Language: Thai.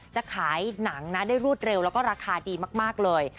จะขายหนังได้รูดเร็วและราคาดีมากเลย